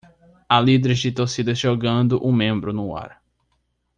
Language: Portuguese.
Há líderes de torcida jogando um membro no ar.